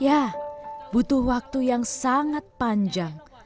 ya butuh waktu yang sangat panjang